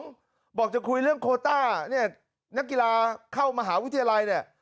บอกจะคุยเรื่องโคต้าเนี่ยนักกีฬาเข้ามหาวิทยาลัยเนี่ย